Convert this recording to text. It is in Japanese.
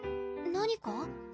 何か？